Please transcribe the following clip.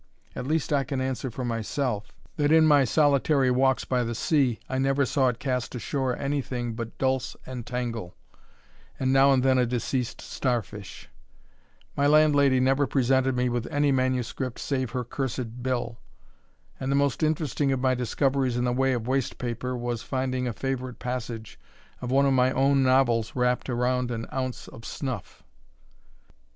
At least I can answer for myself, that in my solitary walks by the sea, I never saw it cast ashore any thing but dulse and tangle, and now and then a deceased star fish; my landlady never presented me with any manuscript save her cursed bill; and the most interesting of my discoveries in the way of waste paper, was finding a favourite passage of one of my own novels wrapt round an ounce of snuff.